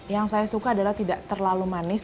yang saya suka adalah tidak terlalu manis